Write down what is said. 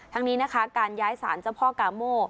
นี้นะคะการย้ายสารเจ้าพ่อกาโม่